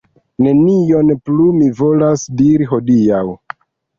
Nenion plu mi volas diri hodiaŭ.